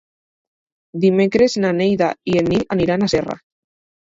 Dimecres na Neida i en Nil aniran a Serra.